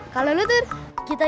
kemana itu dulu yaa